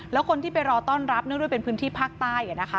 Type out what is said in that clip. แล้วคนที่ไปรอต้อนรับเนื่องด้วยเป็นพื้นที่ภาคใต้